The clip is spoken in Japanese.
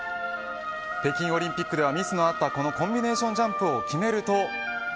北京オリンピックではミスのあったコンビネーションジャンプを決めると。